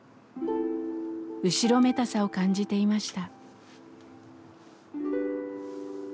後ろめたさを感じていました。